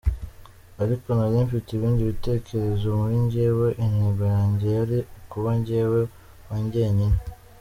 Ariko narimfite ibindi bitekerezo muri njyewe, intego yanjye yari ukuba jyewe wa jyenyine.